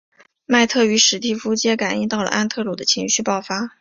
麦特与史提夫皆感应到了安德鲁的情绪爆发。